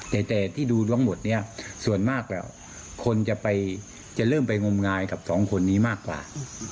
แต่ที่ดูทั้งหมดเนี่ยส่วนมากแล้วคนจะเริ่มไปงมงายกับสองคนนี้มากกว่า